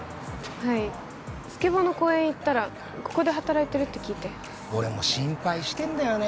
はいスケボーの公園行ったらここで働いてるって聞いて俺も心配してんだよね